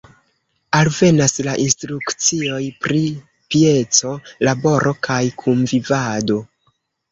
Alvenas la instrukcioj pri pieco, laboro kaj kunvivado.